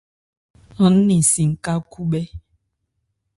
Aán nɛn si n-ká khúbhɛ́.